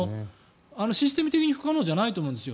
システム的に不可能じゃないと思ってるんです。